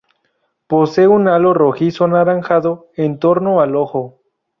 Posee un halo rojizo-anaranjado en torno al ojo.